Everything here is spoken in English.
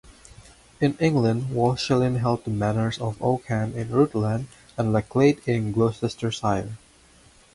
In England, Walchelin held the manors of Oakham in Rutland and Lechlade in Gloucestershire.